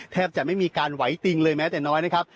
แทบจะไม่มีการไหวติงเลยแม้แต่น้อยนะครับ